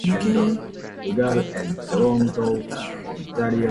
A line connected Grandin with the county seat of Centerville.